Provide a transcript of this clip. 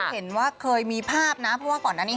เห็นว่าเคยมีภาพนะเพราะว่าก่อนอันนี้